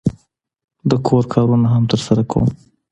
د کور کارونه هم ترسره کوم.